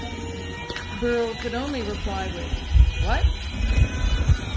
Berle could only reply with, What?